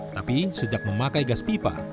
tapi sejak memakai gas pipa